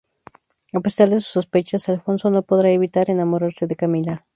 A pesar de sus sospechas, Alfonso no podrá evitar enamorarse de Camila.